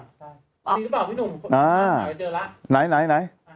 นี่รึเปล่าพี่หนุ่มเจอแล้วอ่าไหนไหนไหน